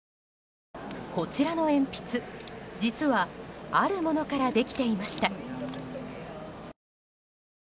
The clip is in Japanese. こちらの鉛筆、実はあるものからできていました。